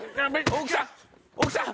奥さん。